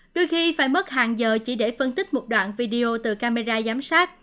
đôi khi phải mất hàng giờ chỉ để phân tích một đoạn video từ camera giám sát